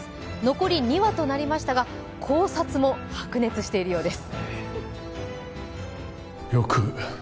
残り２話となりましたが、考察も白熱しているようです。